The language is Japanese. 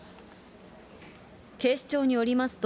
警視庁によりますと、